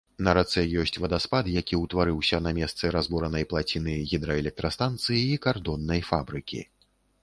На рацэ ёсць вадаспад, які ўтварыўся на месцы разбуранай плаціны гідраэлектрастанцыі і кардоннай фабрыкі.